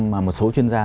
mà một số chuyên gia